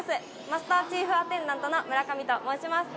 マスターチーフアテンダントの村上と申します